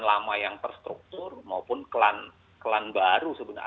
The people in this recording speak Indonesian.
lama yang terstruktur maupun klan baru sebenarnya